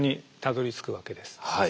はい。